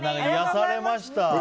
癒やされました。